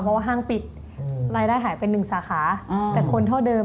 เพราะว่าห้างปิดรายได้หายไปหนึ่งสาขาแต่คนเท่าเดิม